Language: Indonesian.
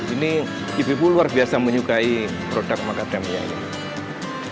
ini ibibu luar biasa menyukai produk macadamia ini